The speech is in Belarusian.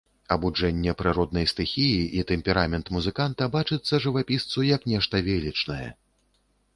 Абуджэнне прыроднай стыхіі і тэмперамент музыканта бачыцца жывапісцу як нешта велічнае.